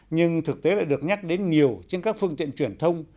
nhưng thực tế lại được nhắc đến nhiều trên các phương tiện truyền thông